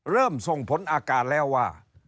ส่งผลอาการแล้วว่า